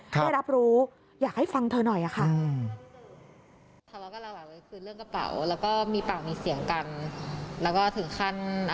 ได้รับรู้อยากให้ฟังเธอหน่อยค่ะ